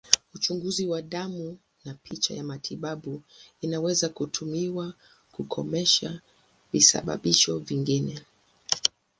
Uchunguzi wa damu na picha ya matibabu inaweza kutumiwa kukomesha visababishi vingine.